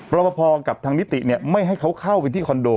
รอปภกับทางนิติเนี่ยไม่ให้เขาเข้าไปที่คอนโด